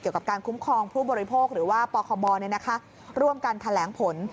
กับการคุ้มครองผู้บริโภคหรือว่าปคมร่วมกันแถลงผล